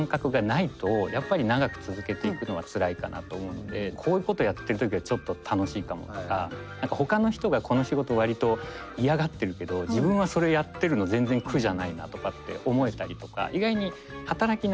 ただこういうことやってる時はちょっと楽しいかもとか何かほかの人がこの仕事割と嫌がってるけど自分はそれやってるの全然苦じゃないなとかって思えたりとか。